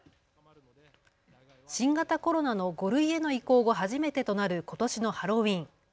新型コロナの５類への移行後初めてとなることしのハロウィーン。